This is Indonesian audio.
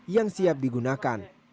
yang siap digunakan